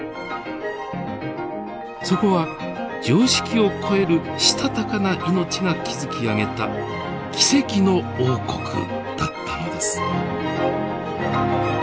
そこは常識を超えるしたたかな命が築き上げた奇跡の王国だったのです。